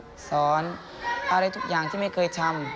สอนอะไรทุกอย่างที่ไม่เคยทำ